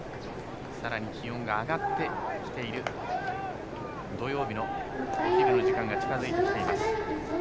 さらに気温が上がってきている土曜日のお昼の時間が近づいてきています。